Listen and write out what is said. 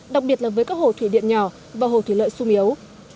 đặc biệt là với các hồ thủy điện nhỏ và hồ thủy lợi sung yếu